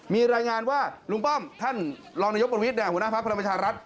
มีรายงานว่าลุงป้อมท่านรองนายกประวิทย์หัวหน้าพักพลังประชารัฐ